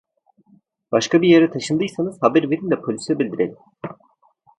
Başka bir yere taşındıysanız, haber verin de polise bildirelim.